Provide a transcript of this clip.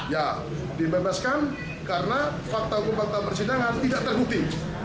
ya dibebaskan karena fakta hukum fakta persidangan tidak terbukti